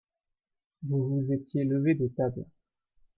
Vous vous étiez levé de table.